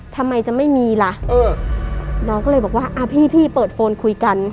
ทำไมจะไม่มีล่ะเออน้องก็เลยบอกว่าอ่าพี่พี่เปิดโฟนคุยกัน